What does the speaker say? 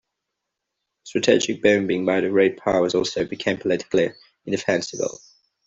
Strategic bombing by the Great Powers also became politically indefensible.